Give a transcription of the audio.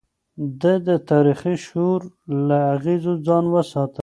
ده د تاريخي شور له اغېزو ځان وساته.